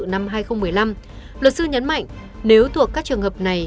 năm hai nghìn một mươi năm luật sư nhấn mạnh nếu thuộc các trường hợp này